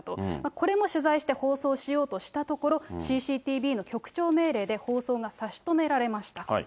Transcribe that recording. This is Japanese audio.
これも取材して放送しようとしたところ、ＣＣＴＶの局長命令で放送が差し止められました。